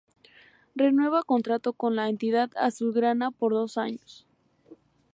Renueva contrato con la entidad azulgrana por dos años.